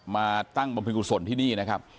มาตั้งบำเพ็ญกุศลที่นี่นะครับ